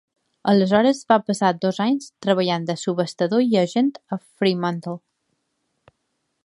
Aleshores va passar dos anys treballant de subhastador i agent a Fremantle.